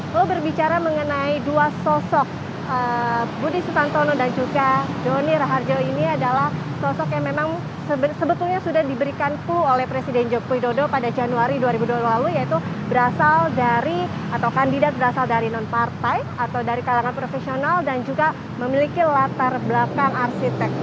lalu berbicara mengenai dua sosok budi sutantono dan juga doni raharjo ini adalah sosok yang memang sebetulnya sudah diberikan ku oleh presiden joko widodo pada januari dua ribu dua puluh dua lalu yaitu berasal dari atau kandidat berasal dari nonpartai atau dari kalangan profesional dan juga memiliki latar belakang arsitek